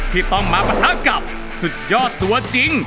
ที่ต้องมาปะทะกับสุดยอดตัวจริง